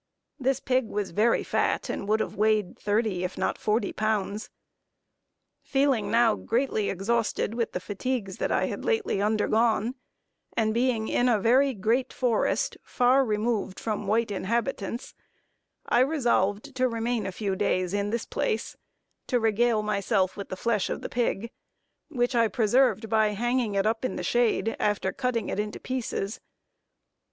This pig was very fat, and would have weighed thirty if not forty pounds. Feeling now greatly exhausted with the fatigues that I had lately undergone, and being in a very great forest, far removed from white inhabitants, I resolved to remain a few days in this place, to regale myself with the flesh of the pig, which I preserved by hanging it up in the shade, after cutting it into pieces.